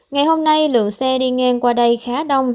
ngày hôm nay lượng xe đi ngang qua đây khá đông